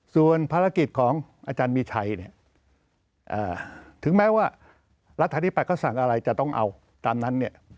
ส่วนภารกิจของอาจารย์มีชัยเนี่ยถึงแม้ว่ารัฐธิปัตยก็สั่งอะไรจะต้องเอาตามนั้นเนี่ย